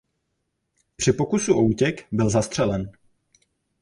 Při pokusu o útěk byl zastřelen.